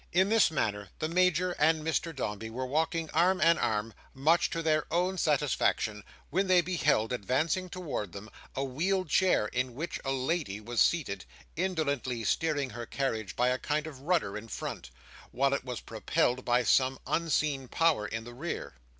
In this manner the Major and Mr Dombey were walking arm in arm, much to their own satisfaction, when they beheld advancing towards them, a wheeled chair, in which a lady was seated, indolently steering her carriage by a kind of rudder in front, while it was propelled by some unseen power in the rear.